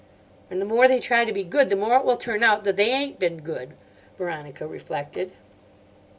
"And the more they try to be good, the more it will turn out that they ain't been good," Veronica reflected.